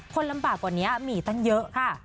คนลำบากกว่านี้มีตั้งเยอะค่ะ